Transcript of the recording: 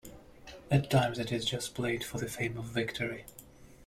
At times it is just played for the fame of victory.